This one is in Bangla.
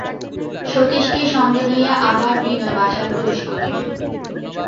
সতীশকে সঙ্গে লইয়া আবার বিনয় বাসায় প্রবেশ করিল।